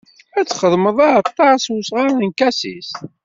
Ad txedmeḍ aɛalṭar s usɣar n lkasis.